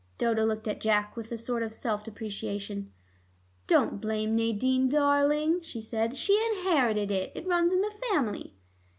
Dodo looked at Jack with a sort of self deprecation. "Don't blame Nadine, darling," she said. "She inherited it; it runs in the family."